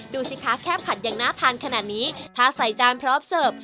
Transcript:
ดูสิคะแค่ผัดอย่างน่าทานขนาดนี้ถ้าใส่จานพร้อมเสิร์ฟ